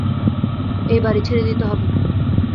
এই বাড়ি ছেড়ে দিতে হবে!